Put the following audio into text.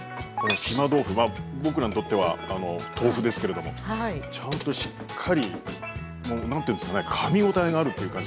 島豆腐は僕らにとっては豆腐ですけれどもちゃんとしっかりもう何て言うんですかねかみ応えがあるっていうか。